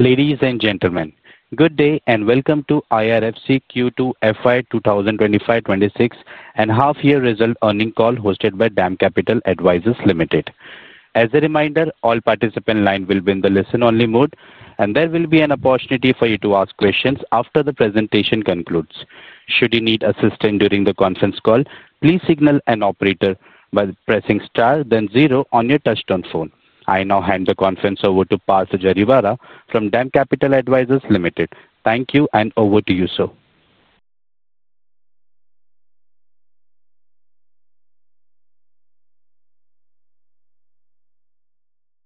Ladies and gentlemen, good day and welcome to IRFC Q2 FY 2025-26 and half-year result earnings call hosted by Dam Capital Advisors Limited. As a reminder, all participant lines will be in the listen-only mode, and there will be an opportunity for you to ask questions after the presentation concludes. Should you need assistance during the conference call, please signal an operator by pressing star, then zero on your touchtone phone. I now hand the conference over to Parvija Rivara from Dam Capital Advisors Limited. Thank you and over to you, sir.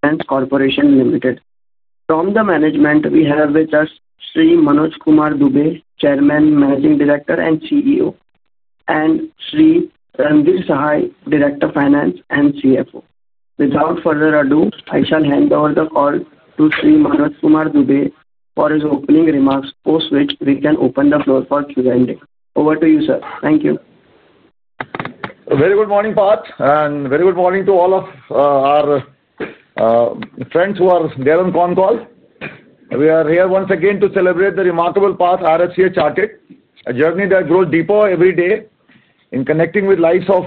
Capital Advisors Limited. From the management, we have with us Sri Manoj Kumar Dubey, Chairman, Managing Director, and CEO, and Sri Randhir Sahay Director of Finance and CFO. Without further ado, I shall hand over the call to Shri Manoj Kumar Dubey for his opening remarks, post which we can open the floor for Q&A. Over to you, sir. Thank you. Very good morning, Parth, and very good morning to all of our friends who are there on the call. We are here once again to celebrate the remarkable path IRFC has charted, a journey that grows deeper every day in connecting with the lives of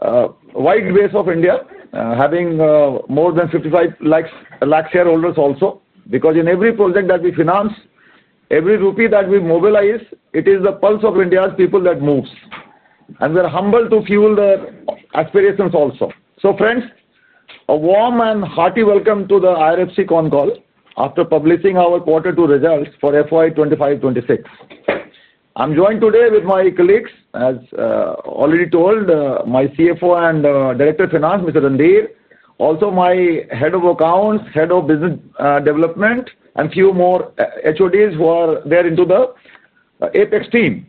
a wide base of India, having more than 5.5 million shareholders also. Because in every project that we finance, every rupee that we mobilize, it is the pulse of India's people that moves. We are humbled to fuel their aspirations also. Friends, a warm and hearty welcome to the IRFC con call after publishing our quarter two results for FY 2025-2026. I'm joined today with my colleagues, as already told, my CFO and Director of Finance, Mr. Randhir, also my Head of Accounts, Head of Business Development, and a few more HODs who are there in the Apex team.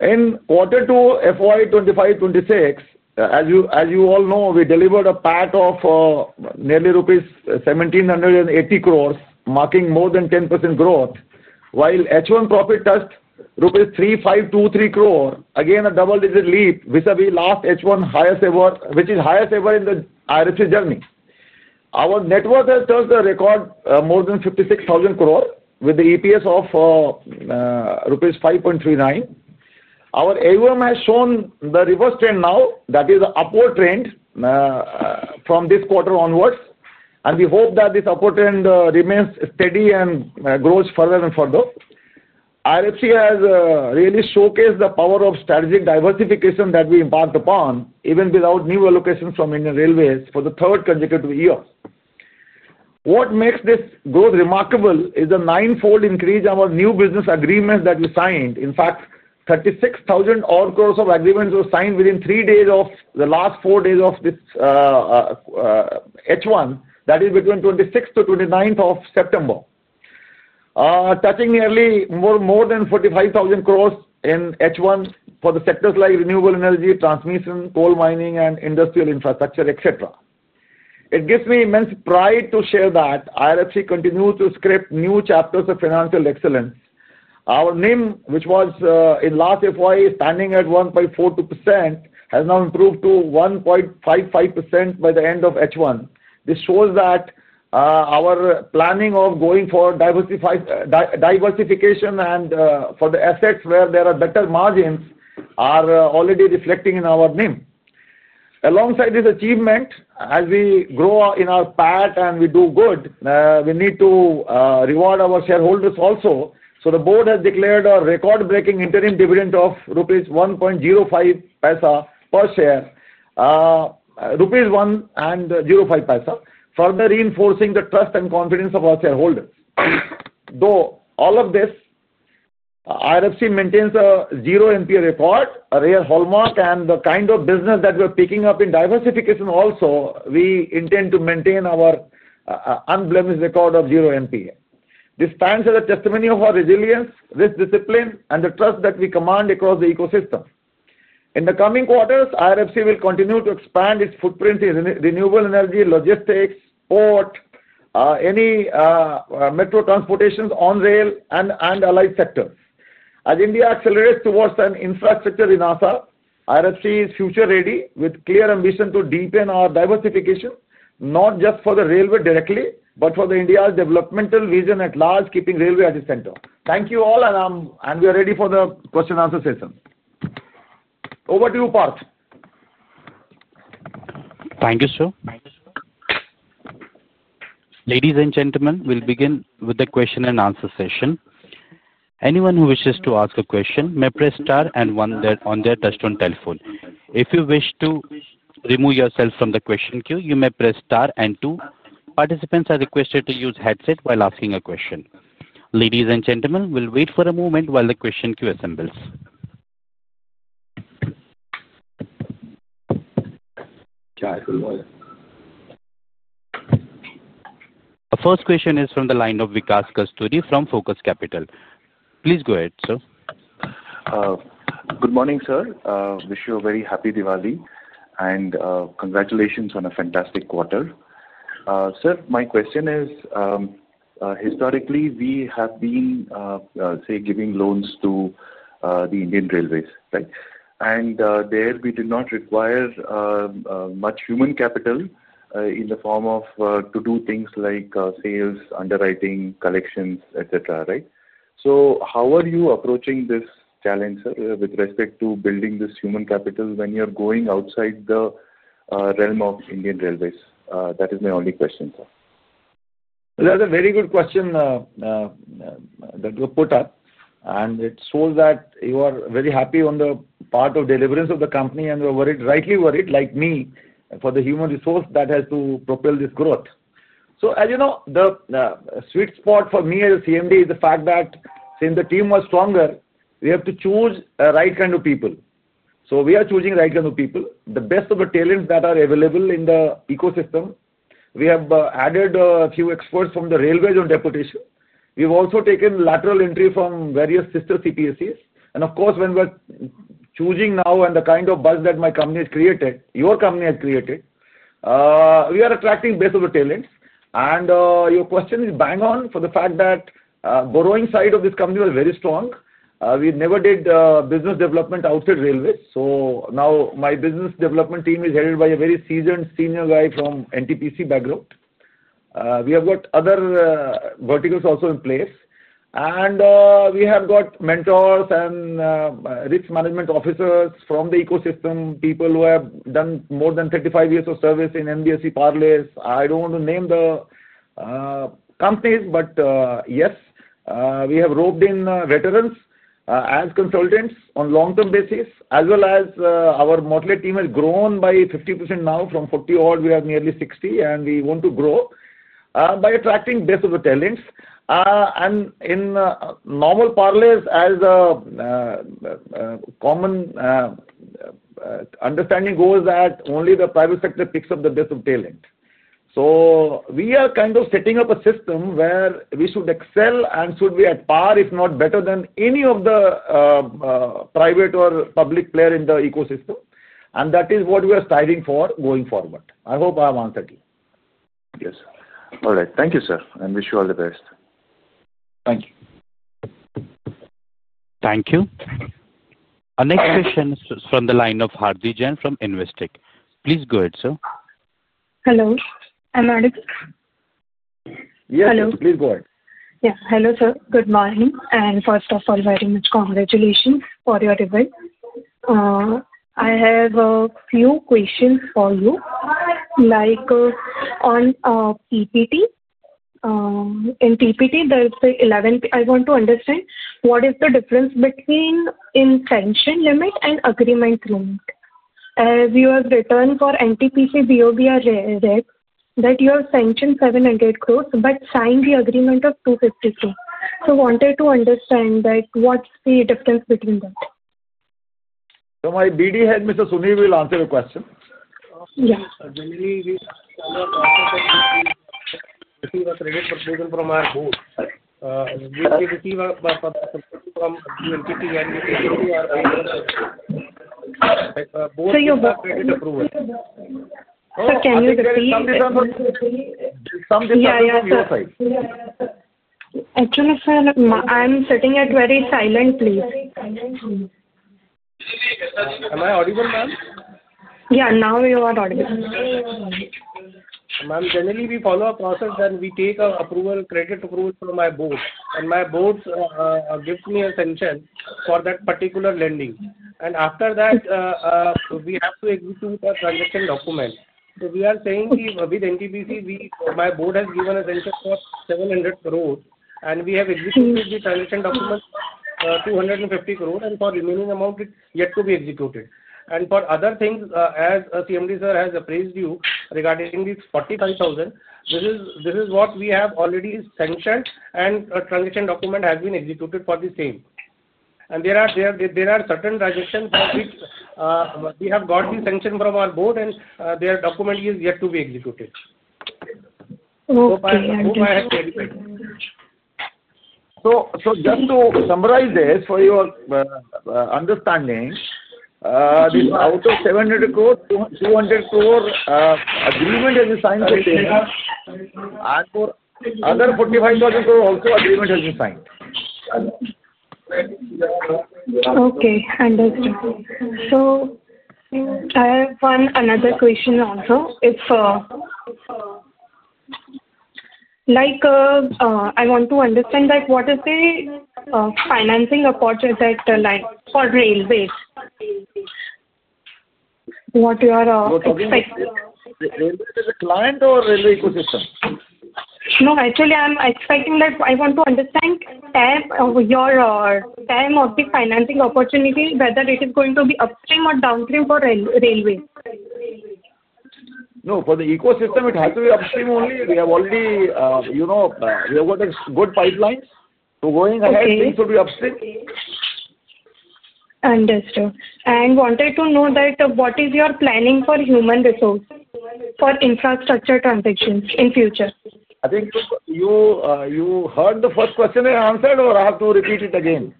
In quarter two, FY 2025-2026, as you all know, we delivered a profit after tax of nearly rupees 17.80 billion, marking more than 10% growth, while H1 profit touched rupees 35.23 billion, again a double-digit leap vis-à-vis last H1, which is highest ever in the IRFC journey. Our net worth has touched the record more than 560 billion with the EPS of rupees 5.39. Our assets under management have shown the reverse trend now, that is the upward trend from this quarter onwards, and we hope that this upward trend remains steady and grows further and further. IRFC has really showcased the power of strategic diversification that we embarked upon, even without new allocations from Indian Railways for the third consecutive year. What makes this growth remarkable is the nine-fold increase in our new business agreements that we signed. In fact, 360 billion of agreements were signed within three days of the last four days of this H1, that is between 26th to 29th of September, touching nearly more than 450 billion in H1 for the sectors like renewable energy, transmission, coal mining, and industrial infrastructure, etc. It gives me immense pride to share that IRFC continues to script new chapters of financial excellence. Our net interest margin, which was in last FY standing at 1.42%, has now improved to 1.55% by the end of H1. This shows that our planning of going for diversification and for the assets where there are better margins are already reflecting in our net interest margin. Alongside this achievement, as we grow in our path and we do good, we need to reward our shareholders also. The board has declared a record-breaking interim dividend of rupees 1.05 per share. Rupees 1.05, further reinforcing the trust and confidence of our shareholders. Through all of this, IRFC maintains a zero NPA record, a rare hallmark, and the kind of business that we're picking up in diversification also, we intend to maintain our unblemished record of zero NPA. This stands as a testimony of our resilience, risk discipline, and the trust that we command across the ecosystem. In the coming quarters, IRFC will continue to expand its footprint in renewable energy, logistics, port, any metro transportation, on-rail, and allied sectors. As India accelerates towards an infrastructure in Asia, IRFC is future-ready with clear ambition to deepen our diversification, not just for the railway directly, but for India's developmental vision at large, keeping railway as a center. Thank you all, and we are ready for the question and answer session. Over to you, Parth. Thank you, sir. Thank you, sir. Ladies and gentlemen, we'll begin with the question and answer session. Anyone who wishes to ask a question may press star and one on their touchtone telephone. If you wish to remove yourself from the question queue, you may press star and two. Participants are requested to use headsets while asking a question. Ladies and gentlemen, we'll wait for a moment while the question queue assembles. The first question is from the line of Vikas Kasturi from Focus Capital. Please go ahead, sir. Good morning, sir. I wish you a very happy Diwali and congratulations on a fantastic quarter. Sir, my question is, historically, we have been, say, giving loans to the Indian Railways, right? There we did not require much human capital in the form of to do things like sales, underwriting, collections, etc., right? How are you approaching this challenge, sir, with respect to building this human capital when you're going outside the realm of Indian Railways? That is my only question, sir. That's a very good question that you have put up. It shows that you are very happy on the part of deliverance of the company and you are rightly worried, like me, for the human resource that has to propel this growth. As you know, the sweet spot for me as a CMD is the fact that since the team was stronger, we have to choose the right kind of people. We are choosing the right kind of people, the best of the talents that are available in the ecosystem. We have added a few experts from the railways on deputation. We've also taken lateral entry from various sister CPSCs. When we're choosing now and the kind of buzz that my company has created, your company has created, we are attracting the best of the talents. Your question is bang on for the fact that the borrowing side of this company was very strong. We never did business development outside railways. Now my business development team is headed by a very seasoned senior guy from NTPC background. We have got other verticals also in place. We have got mentors and risk management officers from the ecosystem, people who have done more than 35 years of service in NBFC, parlance. I don't want to name the companies, but yes, we have roped in veterans as consultants on a long-term basis, as well as our modulate team has grown by 50% now. From 40 odd, we are nearly 60, and we want to grow by attracting the best of the talents. In normal parlance, as a common understanding goes that only the private sector picks up the best of talent. We are kind of setting up a system where we should excel and should be at par, if not better than any of the private or public players in the ecosystem. That is what we are striving for going forward. I hope I have answered you. Yes. All right. Thank you, sir, and wish you all the best. Thank you. Thank you. Our next question is from the line of Hardi Jain from Investec. Please go ahead, sir. Hello. I'm audible. Yes, please go ahead. Yeah. Hello, sir. Good morning. First of all, very much congratulations for your event. I have a few questions for you. Like in PPT, there's 11. I want to understand what is the difference between sanction limit and agreement limit. As you have written for NTPC BOBR rep that you have sanctioned 700 crore but signed the agreement of 250 crore. I wanted to understand what's the difference between that? My BD Head, Mr. Suhay, will answer the question. Yeah. We receive a credit proposal from our board, we receive a credit proposal from NTPC, and we receive a credit approval. Actually, sir, I'm sitting here very silent, please. Am I audible, ma'am? Yeah, now you are audible. Ma'am, generally, we follow a process and we take an approval, credit approval from my board. My board gives me a sanction for that particular lending. After that, we have to execute a transaction document. We are saying with NTPC, my board has given a sanction for 700 crore, and we have executed the transaction document for 250 crore, and for the remaining amount, it's yet to be executed. For other things, as CMD, sir, has appraised you regarding this 45,000 crore, this is what we have already sanctioned, and a transaction document has been executed for the same. There are certain transactions for which we have got the sanction from our board, and their document is yet to be executed. I hope I have clarified. Just to summarize this for your understanding, out of 700 crore, 250 crore agreement has been signed for the same, and for other INR 45,000 crore also, agreement has been signed. Okay. Understood. I have one another question also. I want to understand what is the financing approaches for railways. What do you are expecting? The railways as a client or railway ecosystem? I'm expecting that I want to understand term of your term of the financing opportunity, whether it is going to be upstream or downstream for railways. No, for the ecosystem, it has to be upstream only. We have already, you know, we have got a good pipeline. Going ahead, things will be upstream. Understood. I wanted to know what is your planning for human resource for infrastructure transactions in the future? I think you heard the first question I answered, or I have to repeat it again?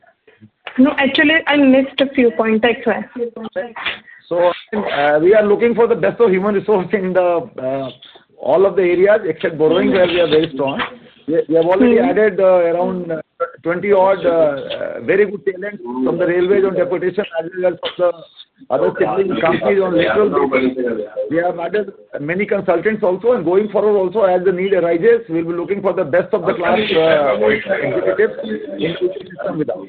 No, actually, I missed a few points. We are looking for the best of human resource in all of the areas except borrowing, where we are very strong. We have already added around 20 odd very good talents from the railways on deputation as well as from the other sibling companies on lateral basis. We have added many consultants also. Going forward, as the need arises, we'll be looking for the best of the class executives in the ecosystem with us.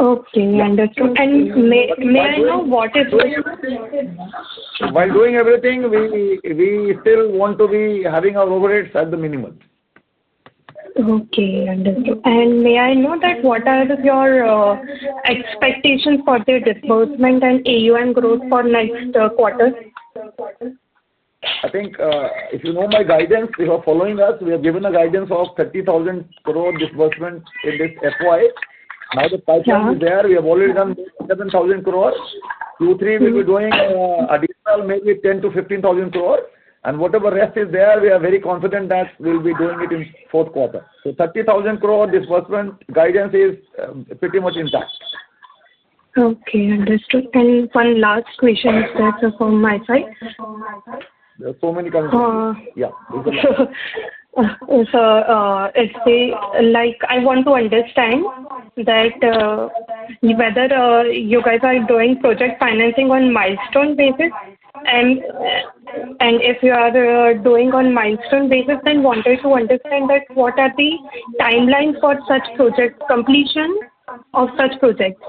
Okay. Understood. May I know what is the? While doing everything, we still want to be having our overheads at the minimum. Okay. Understood. May I know what are your expectations for the disbursement and AUM growth for next quarter? I think if you know my guidance, if you are following us, we have given a guidance of 30,000 crore disbursement in this FY. Now the pipeline is there. We have already done 7,000 crore. Q3 we'll be doing additional maybe 10,000 to 15,000 crore. Whatever rest is there, we are very confident that we'll be doing it in the fourth quarter. 30,000 crore disbursement guidance is pretty much intact. Okay. Understood. One last question is that from my side. There are so many concerns. I want to understand whether you guys are doing project financing on a milestone basis. If you are doing on a milestone basis, I wanted to understand what are the timelines for such projects, completion of such projects?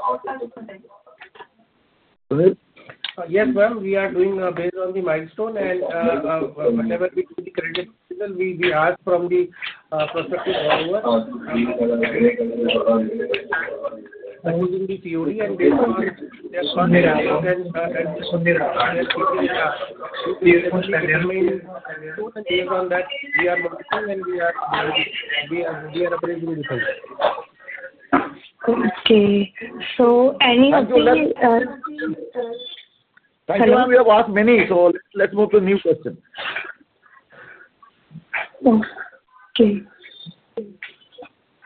Yes, ma'am. We are doing based on the milestone. Whatever we do, the credit we ask from the prospective borrowers using the theory and based on their concerns. Based on that, we are monitoring and we are appraising results. Okay, any of the? Thank you. We have asked many, so let's move to a new question. Okay.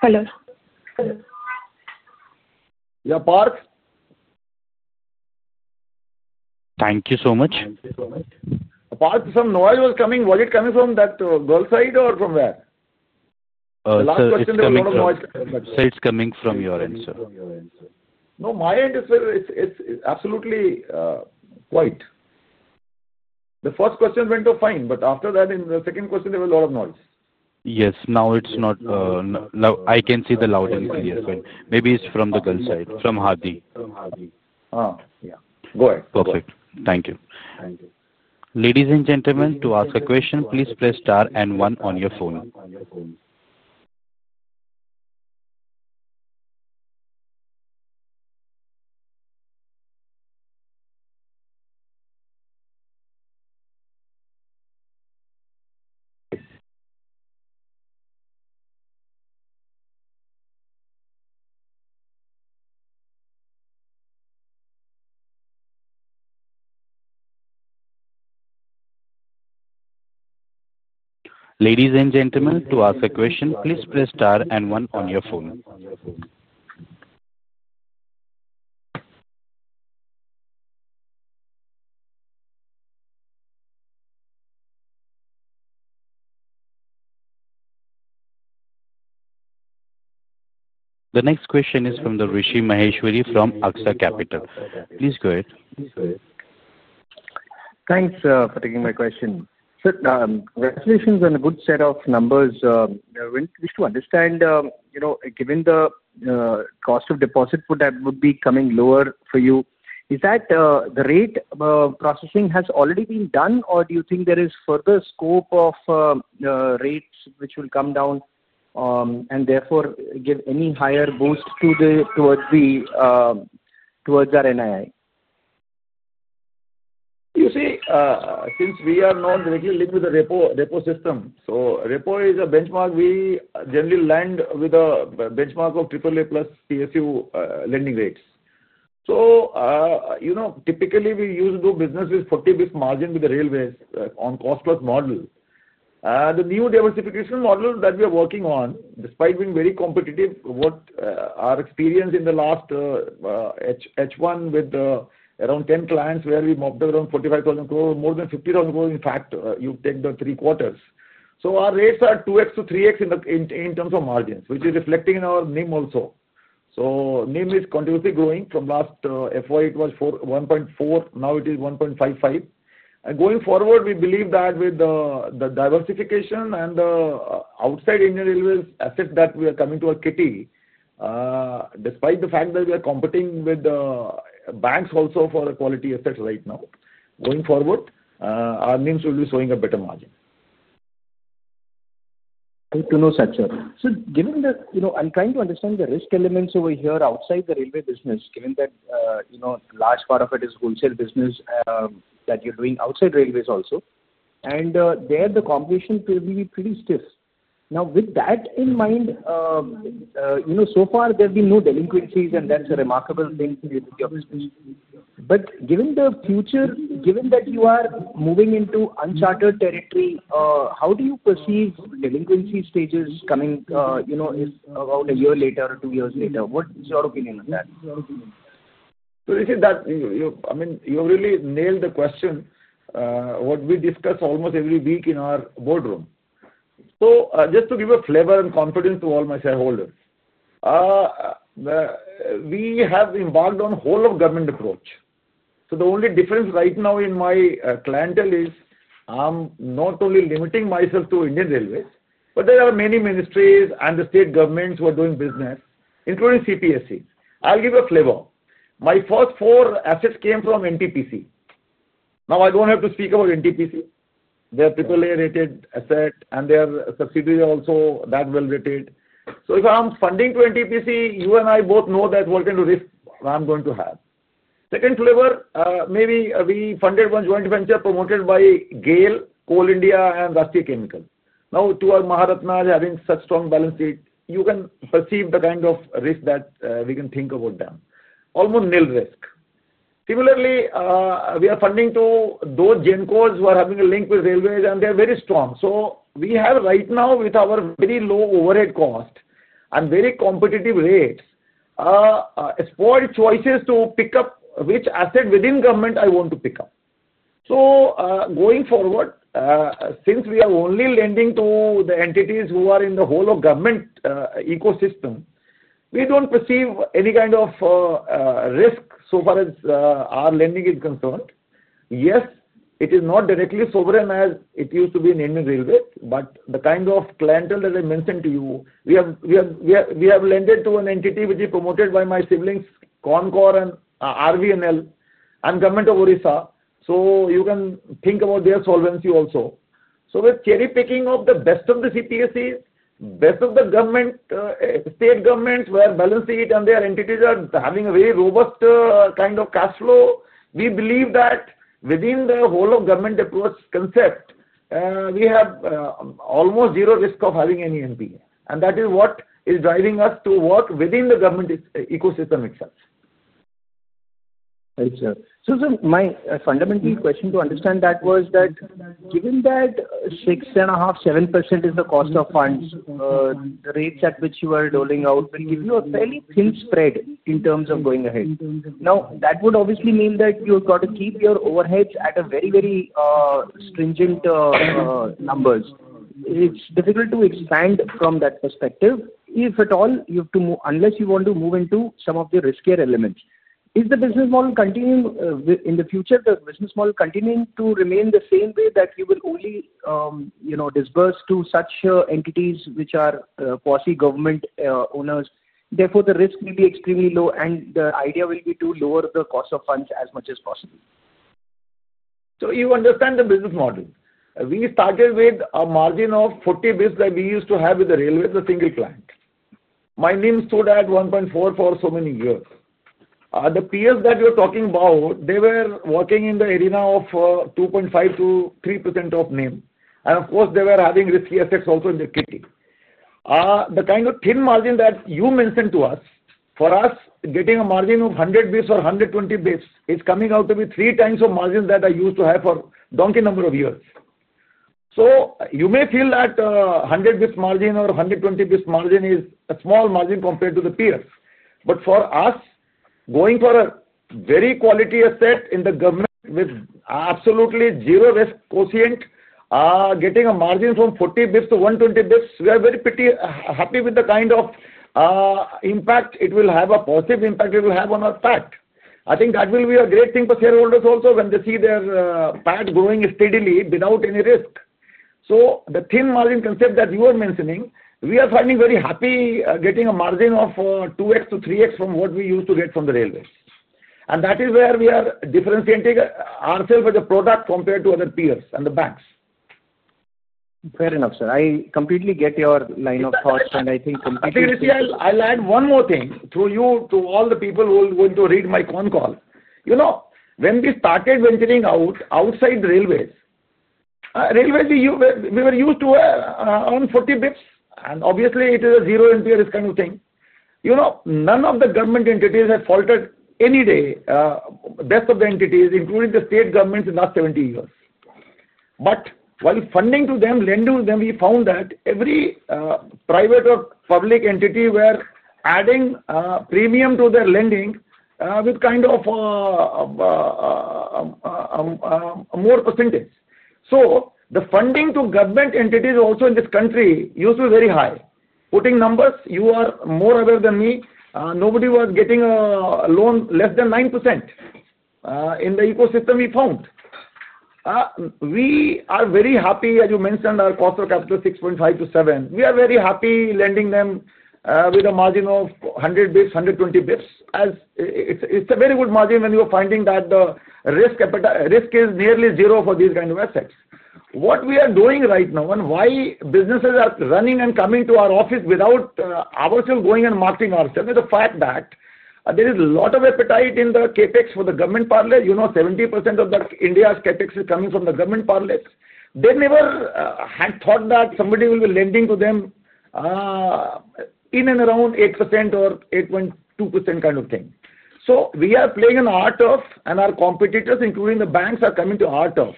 Hello. Yeah, Parth. Thank you so much. Parth, some noise was coming. Was it coming from that girl's side or from where? The last question, there was a lot of noise. Sir, it's coming from your end. No, my end is, sir, it's absolutely quiet. The first question went fine, but after that, in the second question, there was a lot of noise. Yes, now it's not. Now I can see the loud and clear. Maybe it's from the girl's side, from Hardi. Yeah, go ahead. Perfect. Thank you. Thank you. Ladies and gentlemen, to ask a question, please press star and one on your phone. The next question is from Rishi Maheshwari from AKSA Capital. Please go ahead. Thanks for taking my question. Sir, congratulations on a good set of numbers. I wish to understand, you know, given the cost of deposit that would be coming lower for you, is that the rate processing has already been done, or do you think there is further scope of rates which will come down and therefore give any higher boost towards our NII? You see, since we are not directly linked with the REPO system, REPO is a benchmark. We generally land with a benchmark of AAA plus CSU lending rates. Typically, we use to do business with 40-bps margin with the railways on cost-plus model. The new diversification model that we are working on, despite being very competitive, what our experience in the last H1 with around 10 clients where we mopped up around 45,000 crore, more than 50,000 crore, in fact, if you take the three quarters. Our rates are 2x-3xX in terms of margins, which is reflecting in our NIM also. NIM is continuously growing. From last FY, it was 1.4. Now it is 1.55. Going forward, we believe that with the diversification and the outside Indian Railways assets that we are coming to a kitty, despite the fact that we are competing with the banks also for the quality assets right now, going forward, our NIMs will be showing a better margin. Good to know, Sir. So, given that, you know, I'm trying to understand the risk elements over here outside the railway business, given that a large part of it is wholesale business that you're doing outside railways also. There, the competition will be pretty stiff. With that in mind, so far, there have been no delinquencies, and that's a remarkable thing to your business. Given the future, given that you are moving into unchartered territory, how do you perceive delinquency stages coming, you know, if about a year later or two years later? What is your opinion on that? You really nailed the question, what we discuss almost every week in our boardroom. Just to give a flavor and confidence to all my shareholders, we have embarked on a whole-of-government approach. The only difference right now in my clientele is I'm not only limiting myself to Indian Railways, but there are many ministries and the state governments who are doing business, including CPSC. I'll give a flavor. My first four assets came from NTPC. Now, I don't have to speak about NTPC. They are AAA-rated assets, and their subsidiaries are also that well-rated. If I'm funding to NTPC, you and I both know what kind of risk I'm going to have. Second flavor, maybe we funded one joint venture promoted by GAIL, Coal India, and Rashtriya Chemical. To our Maharatna having such strong balance sheet, you can perceive the kind of risk that we can think about them. Almost nil risk. Similarly, we are funding to those JNCOs who are having a link with railways, and they are very strong. We have right now, with our very low overhead cost and very competitive rates, spoiled choices to pick up which asset within government I want to pick up. Going forward, since we are only lending to the entities who are in the whole-of-government ecosystem, we don't perceive any kind of risk so far as our lending is concerned. Yes, it is not directly sovereign as it used to be in Indian Railways, but the kind of clientele that I mentioned to you, we have lent it to an entity which is promoted by my siblings, Concord and RVNL and Government of Odisha. You can think about their solvency also. We're cherry-picking up the best of the CPSCs, best of the government, state governments who are balancing it, and their entities are having a very robust kind of cash flow. We believe that within the whole-of-government approach concept, we have almost zero risk of having any NPA. That is what is driving us to work within the government ecosystem itself. Thank you, sir. Sir, my fundamental question to understand that was that given that 6.5%, 7% is the cost of funds, the rates at which you are doling out will give you a fairly thin spread in terms of going ahead. That would obviously mean that you've got to keep your overheads at a very, very stringent number. It's difficult to expand from that perspective. If at all you have to move, unless you want to move into some of the riskier elements. Is the business model continuing in the future? The business model continuing to remain the same way that you will only, you know, disburse to such entities which are quasi-government owners? Therefore, the risk will be extremely low, and the idea will be to lower the cost of funds as much as possible. You understand the business model. We started with a margin of 40 bps that we used to have with the railways, the single client. My NIM stood at 1.4 for so many years. The peers that you're talking about, they were working in the arena of 2.5%-3% of NIM. Of course, they were having risky assets also in the kitty. The kind of thin margin that you mentioned to us, for us, getting a margin of 100 bps or 120 bps is coming out to be three times the margin that I used to have for a donkey number of years. You may feel that 100 bps margin or 120 bps margin is a small margin compared to the peers. For us, going for a very quality asset in the government with absolutely zero risk quotient, getting a margin from 40 bps to 120 bps, we are very pretty happy with the kind of impact it will have, a positive impact it will have on our PAT. I think that will be a great thing for shareholders also when they see their PAT growing steadily without any risk. The thin margin concept that you are mentioning, we are finding very happy getting a margin of 2x-3x from what we used to get from the railways. That is where we are differentiating ourselves as a product compared to other peers and the banks. Fair enough, sir. I completely get your line of thoughts, and I think completely. Actually, Rishi, I'll add one more thing through you to all the people who are going to read my con call. You know, when we started venturing out outside the railways, we were used to earn 40 bps. Obviously, it is a zero NPA kind of thing. None of the government entities had faltered any day, the best of the entities, including the state governments in the last 70 years. While funding to them, lending to them, we found that every private or public entity were adding a premium to their lending with kind of a more percentage. The funding to government entities also in this country used to be very high. Putting numbers, you are more aware than me, nobody was getting a loan less than 9% in the ecosystem we found. We are very happy, as you mentioned, our cost per capita is 6.5%-7%. We are very happy lending them with a margin of 100 bps, 120 bps. It's a very good margin when you're finding that the risk is nearly zero for these kinds of assets. What we are doing right now and why businesses are running and coming to our office without ourselves going and marketing ourselves is the fact that there is a lot of appetite in the CapEx for the government parlay. You know, 70% of India's CapEx is coming from the government parlay. They never had thought that somebody will be lending to them in and around 8% or 8.2% kind of thing. We are playing an art of, and our competitors, including the banks, are coming to art of.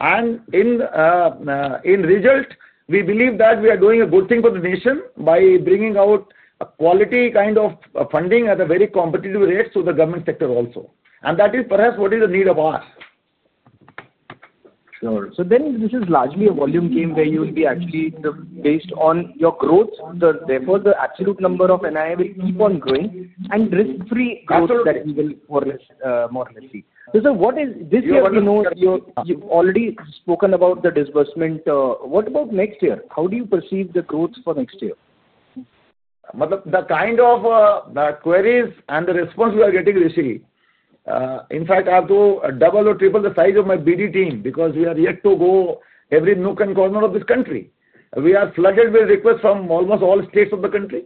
In result, we believe that we are doing a good thing for the nation by bringing out a quality kind of funding at a very competitive rate to the government sector also. That is perhaps what is the need of us. Sure. This is largely a volume game where you will be actually based on your growth. Therefore, the absolute number of NII will keep on growing and risk-free growth that we will more or less see. Sir, what is this year? You know you've already spoken about the disbursement. What about next year? How do you perceive the growth for next year? The kind of queries and the response we are getting, Rishi, in fact, I have to double or triple the size of my BD team because we are yet to go every nook and corner of this country. We are flooded with requests from almost all states of the country.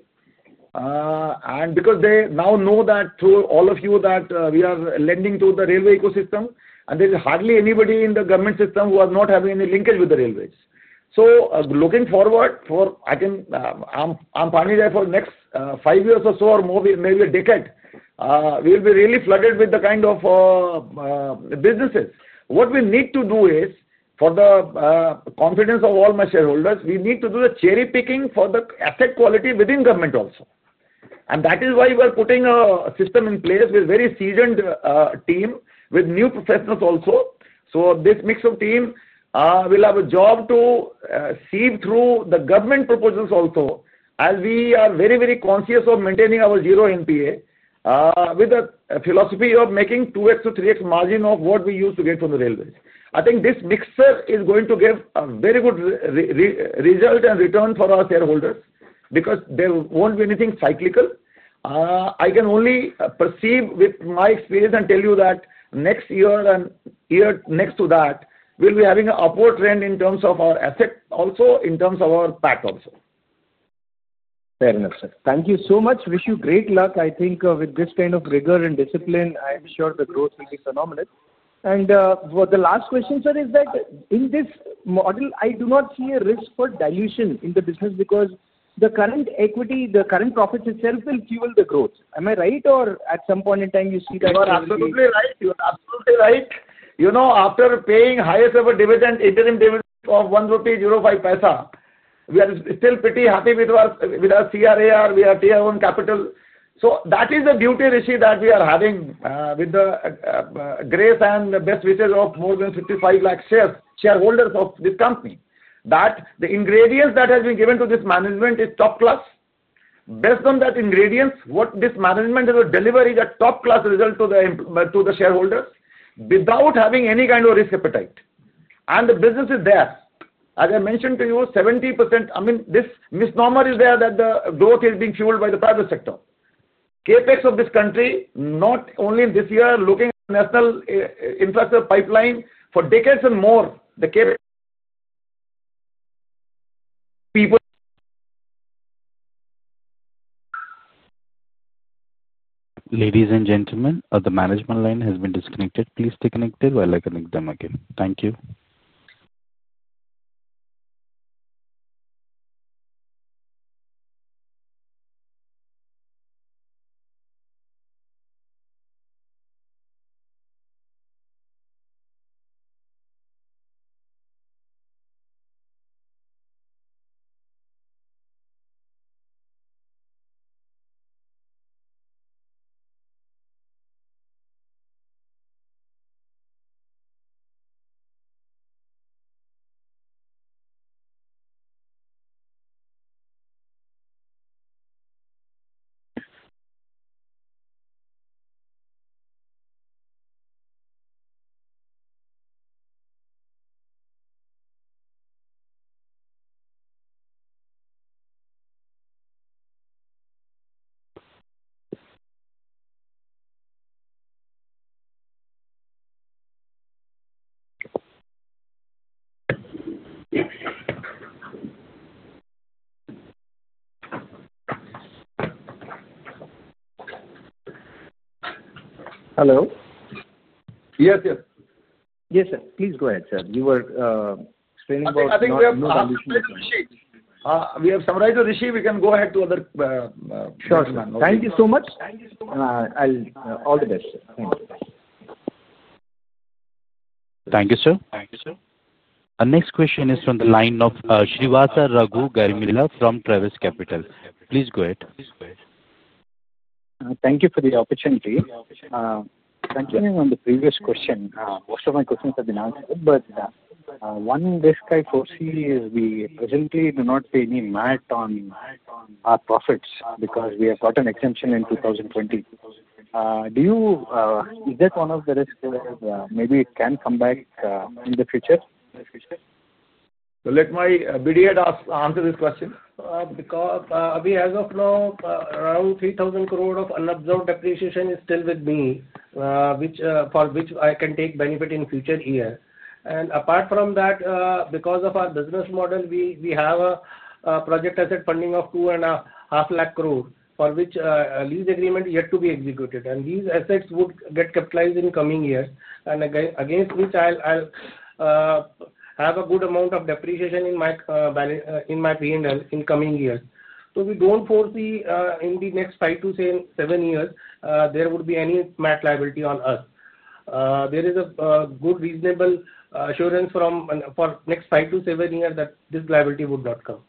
Because they now know that through all of you that we are lending to the railway ecosystem, there is hardly anybody in the government system who are not having any linkage with the railways. Looking forward for, I think I'm partly there for the next five years or so or more, maybe a decade, we'll be really flooded with the kind of businesses. What we need to do is for the confidence of all my shareholders, we need to do the cherry-picking for the asset quality within government also. That is why we are putting a system in place with a very seasoned team, with new professionals also. This mix of team will have a job to see through the government proposals also, as we are very, very conscious of maintaining our zero NPA with a philosophy of making 2x-3x margin of what we used to get from the railways. I think this mixture is going to give a very good result and return for our shareholders because there won't be anything cyclical. I can only perceive with my experience and tell you that next year and year next to that, we'll be having an upward trend in terms of our assets, also in terms of our pack also. Fair enough, sir. Thank you so much. Wish you great luck. I think with this kind of rigor and discipline, I'm sure the growth will be phenomenal. The last question, sir, is that in this model, I do not see a risk for dilution in the business because the current equity, the current profits itself will fuel the growth. Am I right, or at some point in time, you see that? You are absolutely right. You are absolutely right. After paying the highest ever dividend, interim dividend of 1.05 rupee, we are still pretty happy with our CRA or our Tier 1 capital. That is the beauty, Rishi, that we are having with the grace and the best wishes of more than 5.5 million shareholders of this company. The ingredients that have been given to this management are top class. Based on those ingredients, what this management has delivered is a top-class result to the shareholders without having any kind of risk appetite. The business is there. As I mentioned to you, 70%, I mean, this misnomer is there that the growth is being fueled by the private sector. CapEx of this country, not only in this year, looking at the national infrastructure pipeline for decades and more, the people. Ladies and gentlemen, the management line has been disconnected. Please stay connected while I connect them again. Thank you. Hello, yes. Yes, sir. Please go ahead, sir. You were explaining about. I think we have summarized it, Rishi. We can go ahead to other. Sure, sir. Thank you so much. Thank you so much. All the best, sir. Thank you. Thank you, sir. Thank you, sir. Our next question is from the line of Srivasta Raghu Garmila from Travis Capital. Please go ahead. Thank you for the opportunity. Continuing on the previous question, most of my questions have been answered. One risk I foresee is we presently do not pay any MAT on our profits because we have got an exemption in 2020. Do you, is that one of the risks where maybe it can come back in the future? Let my BD Head answer this question. We have as of now around 3,000 crore of unabsorbed depreciation still with me, for which I can take benefit in future years. Apart from that, because of our business model, we have a project asset funding of 2.5 lakh crore for which a lease agreement is yet to be executed. These assets would get capitalized in coming years, and against which I'll have a good amount of depreciation in my P&L in coming years. We don't foresee in the next five to seven years there would be any MAT liability on us. There is a good reasonable assurance for the next five to seven years that this liability would not come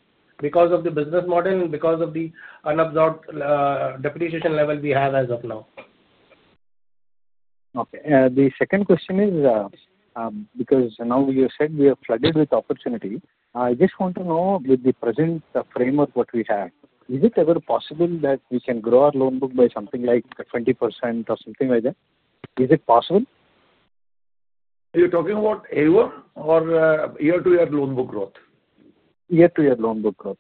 because of the business model and because of the unabsorbed depreciation level we have as of now. Okay. The second question is because now you said we are flooded with opportunity. I just want to know with the present framework what we have, is it ever possible that we can grow our loan book by something like 20% or something like that? Is it possible? You're talking about assets under management or year-over-year loan book growth? Year-over-year loan book growth.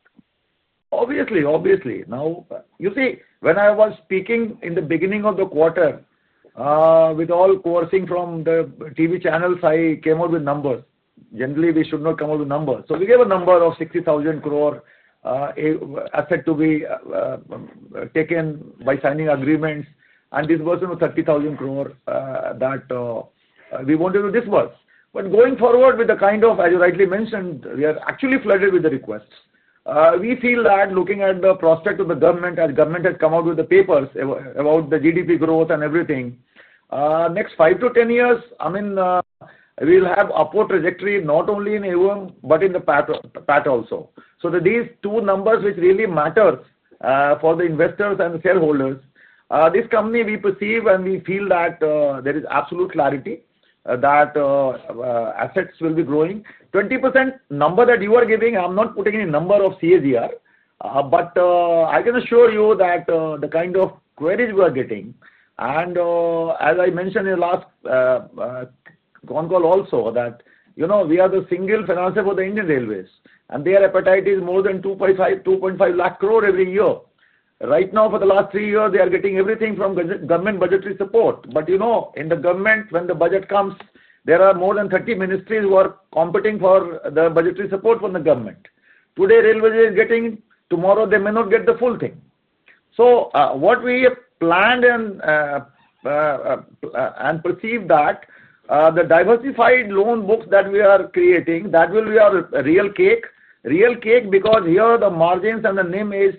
Obviously, obviously. Now, you see, when I was speaking in the beginning of the quarter, with all coercing from the TV channels, I came out with numbers. Generally, we should not come out with numbers. We gave a number of 60,000 crore assets to be taken by signing agreements, and this was in 30,000 crores that we wanted to disburse. Going forward, with the kind of, as you rightly mentioned, we are actually flooded with the requests. We feel that looking at the prospect of the government, as the government has come out with the papers about the GDP growth and everything, next 5 to 10 years, I mean, we'll have an upward trajectory not only in AUM but in the pack also. These two numbers which really matter for the investors and the shareholders, this company we perceive and we feel that there is absolute clarity that assets will be growing. 20% number that you are giving, I'm not putting in a number of CAGR, but I can assure you that the kind of queries we are getting, and as I mentioned in the last con call also, that you know we are the single financier for the Indian Railways, and their appetite is more than 2.5 lakh crores every year. Right now, for the last three years, they are getting everything from government budgetary support. You know in the government, when the budget comes, there are more than 30 ministries who are competing for the budgetary support from the government. Today, railways are getting, tomorrow, they may not get the full thing. What we planned and perceived is that the diversified loan books that we are creating, that will be our real cake, real cake because here the margins and the NIM is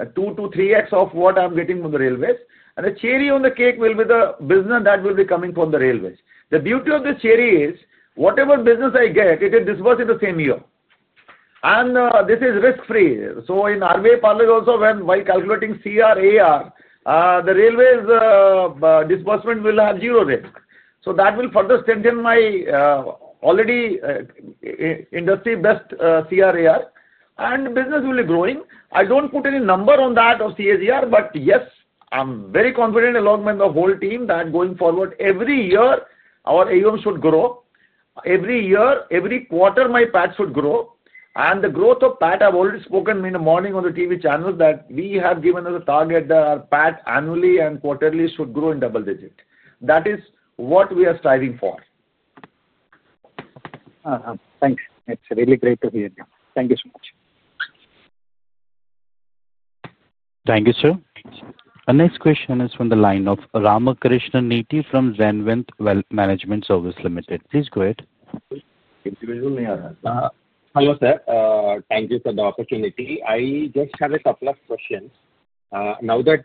2x-3x of what I'm getting from the railways. The cherry on the cake will be the business that will be coming from the railways. The beauty of this cherry is whatever business I get, it gets disbursed in the same year. This is risk-free. In RV Parlais also, while calculating CRAR, the railways' disbursement will have zero risk. That will further strengthen my already industry-best CRAR, and business will be growing. I don't put any number on that of CAGR, but yes, I'm very confident along with the whole team that going forward, every year, our AUM should grow. Every year, every quarter, my pack should grow. The growth of pack, I've already spoken in the morning on the TV channels that we have given as a target that our pack annually and quarterly should grow in double digits. That is what we are striving for. Thank you. It's really great to hear you. Thank you so much. Thank you, sir. Our next question is from the line of Ramakrishna Nethi from Zenwent Wealth Management Services Limited. Please go ahead. Hello sir. Thank you for the opportunity. I just have a couple of questions. Now that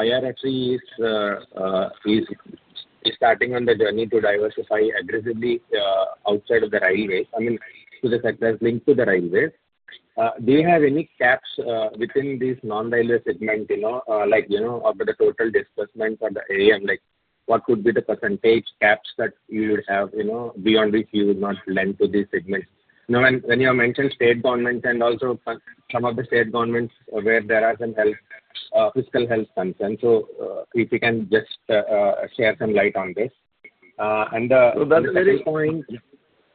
Indian Railway Finance Corporation is starting on the journey to diversify aggressively outside of the railways, I mean, to the sectors linked to the railways, do you have any caps within these non-railway segments? You know, like you know about the total disbursement for the AUM, like what would be the percentage caps that you would have, you know, beyond which you would not lend to these segments? You know, when you mentioned state governments and also some of the state governments where there are some health, fiscal health concerns. If you can just share some light on this.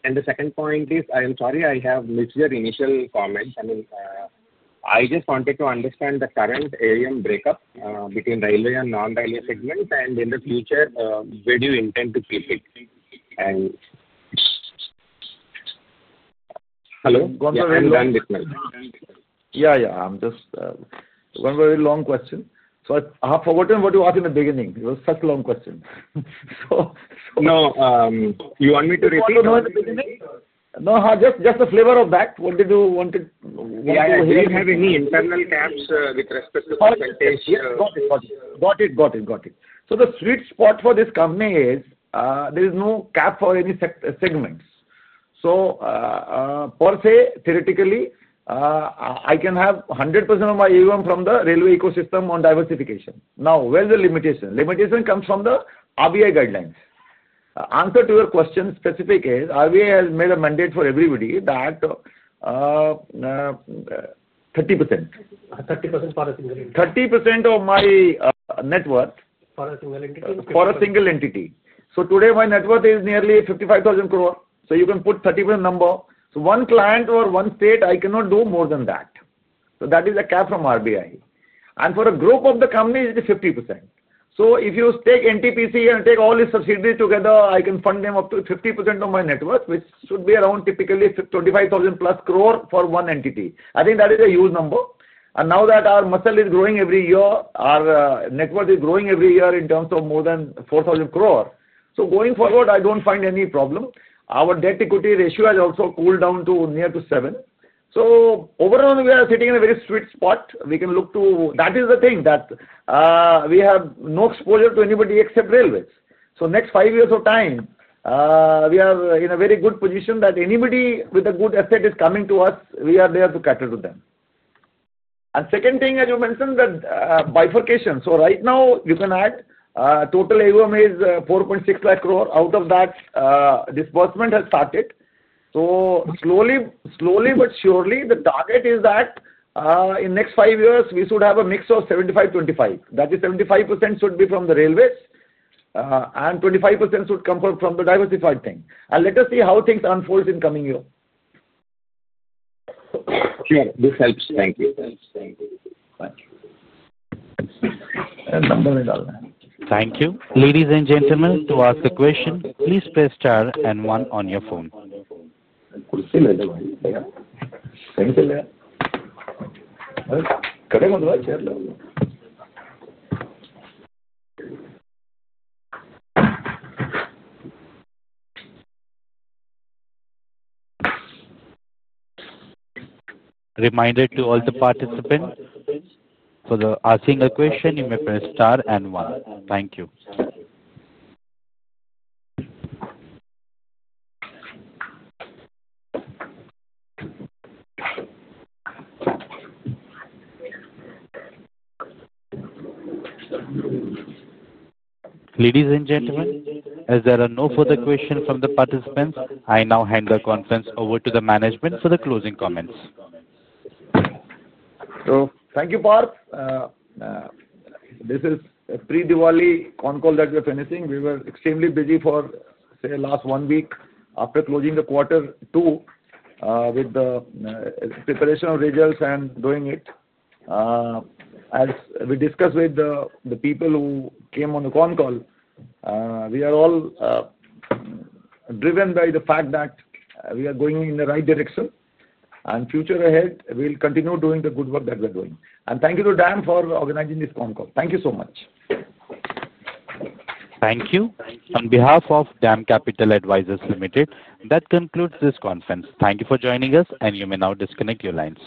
The second point is, I'm sorry, I have missed your initial comments. I just wanted to understand the current AUM breakup between railway and non-railway segments, and in the future, where do you intend to keep it? Hello? One very long question. Yeah, yeah. I'm just one very long question. I have forgotten what you asked in the beginning. It was such a long question. No. You want me to repeat? No, just the flavor of that. What did you want to hear? Yeah, do you have any internal caps with respect to percentage? Got it. The sweet spot for this company is there is no cap for any segments. Per se, theoretically, I can have 100% of my AUM from the railway ecosystem on diversification. Now, where is the limitation? Limitation comes from the RBI guidelines. Answer to your question specifically, RBI has made a mandate for everybody that 30%. 30% for a single entity. 30% of my net worth. For a single entity. For a single entity. Today, my net worth is nearly 55,000 crore. You can put 30% number. One client or one state, I cannot do more than that. That is the cap from RBI. For a group of the companies, it's 50%. If you take NTPC and take all these subsidiaries together, I can fund them up to 50% of my net worth, which should be around typically 25,000 plus crore for one entity. I think that is a huge number. Now that our muscle is growing every year, our net worth is growing every year in terms of more than 4,000 crore. Going forward, I don't find any problem. Our debt-equity ratio has also cooled down to near to 7. Overall, we are sitting in a very sweet spot. We can look to that is the thing that we have no exposure to anybody except railways. Next five years of time, we are in a very good position that anybody with a good asset is coming to us. We are there to cater to them. Second thing, as you mentioned, that bifurcation. Right now, you can add total AUM is 4.6 lakh crore. Out of that, disbursement has started. Slowly, but surely, the target is that in the next five years, we should have a mix of 75%, 25%. That is, 75% should be from the railways, and 25% should come from the diversified thing. Let us see how things unfold in the coming year. Sure. This helps. Thank you. Thank you. And number. Thank you. Ladies and gentlemen, to ask a question, please press star and one on your phone. Reminder to all the participants, for asking a question, you may press star and one. Thank you. Ladies and gentlemen, as there are no further questions from the participants, I now hand the conference over to the management for the closing comments. Thank you, Parth. This is a pre-Diwali con call that we're finishing. We were extremely busy for the last one week after closing the quarter two with the preparation of results and doing it. As we discussed with the people who came on the con call, we are all driven by the fact that we are going in the right direction. The future ahead, we'll continue doing the good work that we're doing. Thank you to DAM for organizing this con call. Thank you so much. Thank you. On behalf of DAM, that concludes this conference. Thank you for joining us, and you may now disconnect your lines.